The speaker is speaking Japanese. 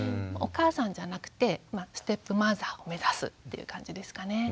お母さんじゃなくてステップマザーを目指すっていう感じですかね。